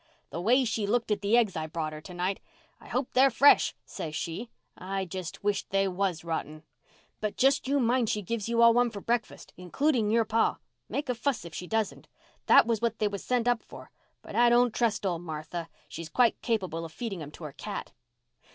The way she looked at the eggs I brought her to night. 'I hope they're fresh,' says she. I just wished they was rotten. But you just mind that she gives you all one for breakfast, including your pa. Make a fuss if she doesn't. That was what they was sent up for—but I don't trust old Martha. She's quite capable of feeding 'em to her cat."